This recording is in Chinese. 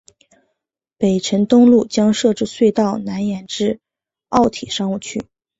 北辰东路将设置隧道南延至奥体商务区。